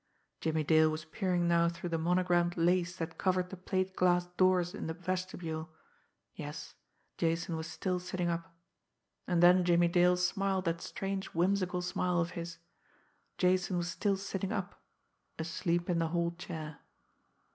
Jimmie Dale was peering now through the monogrammed lace that covered the plate glass doors in the vestibule yes, Jason was still sitting up. And then Jimmie Dale smiled that strange whimsical smile of his. Jason was still sitting up asleep in the hall chair.